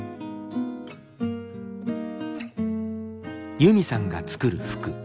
ユミさんが作る服。